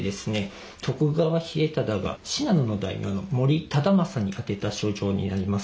徳川秀忠が信濃の大名の森忠政に宛てた書状になります。